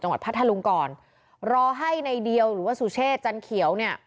พัทธลุงก่อนรอให้ในเดียวหรือว่าสุเชษจันเขียวเนี่ย